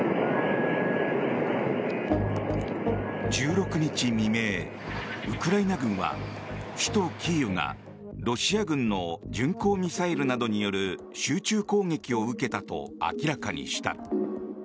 １６日未明、ウクライナ軍は首都キーウがロシア軍の巡航ミサイルなどによる集中攻撃を受けたと明らかにした。